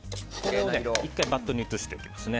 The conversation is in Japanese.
１回バットに移しておきますね。